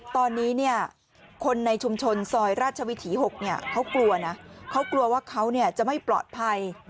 ตอนนี้เนี่ยคนในชุมชนซอยราชวิถีหกเนี่ยเขากลัวนะเขากลัวว่าเขาเนี่ยจะไม่ปลอดภัย